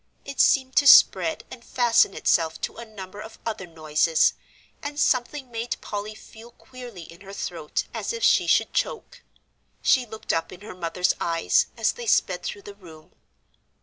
It seemed to spread and fasten itself to a number of other noises, and something made Polly feel queerly in her throat as if she should choke. She looked up in her mother's eyes, as they sped through the room.